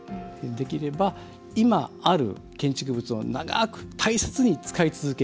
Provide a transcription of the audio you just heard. できれば今ある建築物を長く大切に使い続ける。